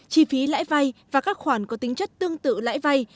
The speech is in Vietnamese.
chi phí lãi vay và các khoản có tính chất tương tự lãi vay